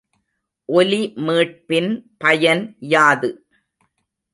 ஒலிமீட்பின் பயன் யாது?